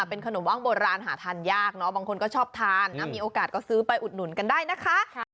เป็นขนมว่างโบราณหาทานยากเนอะบางคนก็ชอบทานมีโอกาสก็ซื้อไปอุดหนุนกันได้นะคะ